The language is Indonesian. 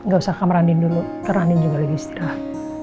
gausah kameranin dulu keranin juga lagi istirahat